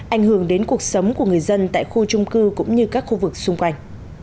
ảnh hưởng đến cuộc sống của người dân tại khu trung cư cũng như các khu vực xung quanh